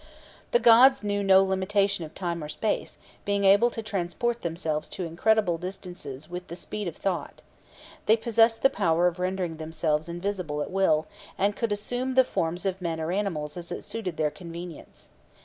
The gods knew no limitation of time or space, being able to transport themselves to incredible distances with the speed of thought. They possessed the power of rendering themselves invisible at will, and could assume the forms of men or animals as it suited their convenience.